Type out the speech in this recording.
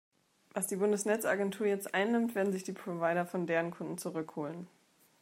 Was die Bundesnetzagentur jetzt einnimmt, werden sich die Provider von deren Kunden zurück holen.